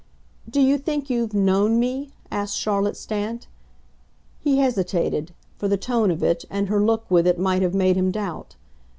"Do you think you've 'known' me?" asked Charlotte Stant. He hesitated for the tone of it, and her look with it might have made him doubt.